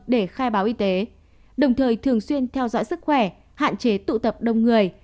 để khai báo y tế đồng thời thường xuyên theo dõi sức khỏe hạn chế tụ tập đông người